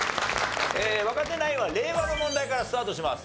若手ナインは令和の問題からスタートします。